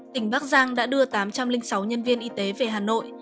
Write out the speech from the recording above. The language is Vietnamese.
tỉnh bắc giang đã đưa tám trăm linh sáu nhân viên y tế về hà nội